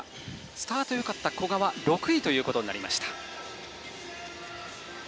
スタートよかった古賀は６位となりました。